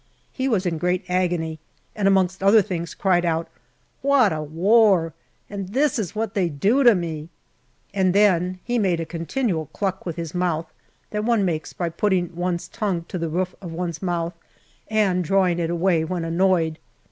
He was in great agcny, and amongst other things cried out, " What a war ; and this is what they do to me !" and then he made a continual cluck with his mouth that one makes by putting one's tongue to the roof of one's mouth and drawing it away when annoyed.